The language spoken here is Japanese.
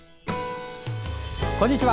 こんにちは。